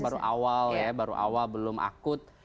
baru awal ya baru awal belum akut